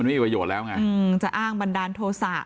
มันมีอีกว่าโยชน์แล้วไงอืมจะอ้างบันดารโทษะ